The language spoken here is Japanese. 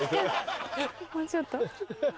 もうちょっと？